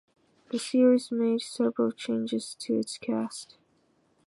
The series made several changes to its cast.